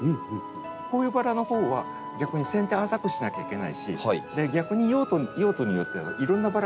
こういうバラのほうは逆に剪定浅くしなきゃいけないし逆に用途によっていろんなバラが出てきたということですね。